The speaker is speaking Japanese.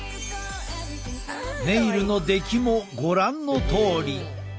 ネイルの出来もご覧のとおり！